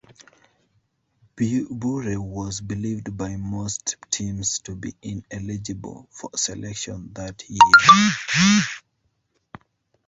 Bure was believed by most teams to be ineligible for selection that year.